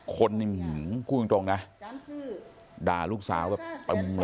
คนนี่หืมคู่ตรงนะด่าลูกสาวแบบประมูล